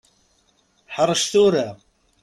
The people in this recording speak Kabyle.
Ḥrec tura.